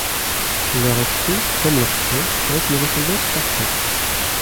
Leur esprit, comme leurs traits, avait une ressemblance parfaite.